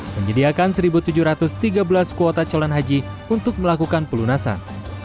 menyediakan satu tujuh ratus tiga belas kuota calon haji untuk melakukan pelunasan